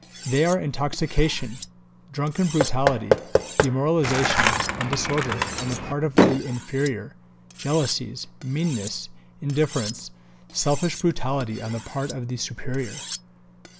They are intoxication, drunken brutality, demoralization and disorder on the part of the inferior; jealousies, meanness, indifference, selfish brutality on the part of the superior."